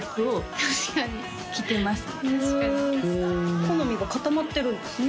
確かに確かにほお好みが固まってるんですね